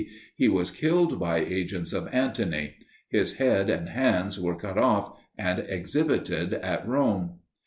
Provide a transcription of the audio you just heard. he was killed by agents of Antony. His head and hand were cut off and exhibited at Rome.